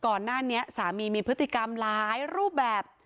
ก่อนหน้านี้สามีมีพฤติกรรมหลายรูปแบบ